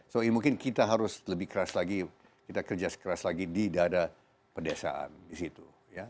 so mungkin kita harus lebih keras lagi kita kerja keras lagi di dada pedesaan di situ